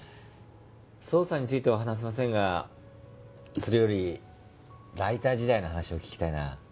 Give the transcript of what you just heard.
捜査については話せませんがそれよりライター時代の話を聞きたいなあ。